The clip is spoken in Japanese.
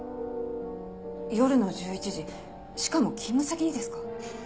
夜の１１時しかも勤務先にですか？